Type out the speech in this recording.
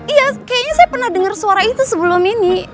iya kayaknya saya pernah dengar suara itu sebelum ini